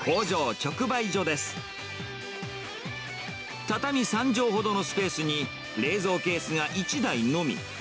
畳３畳ほどのスペースに、冷蔵ケースが１台のみ。